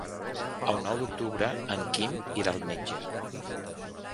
El nou d'octubre en Quim irà al metge.